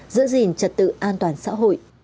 giữ gìn trật tự an toàn xã hội